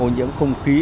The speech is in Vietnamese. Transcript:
ô nhiễm không khí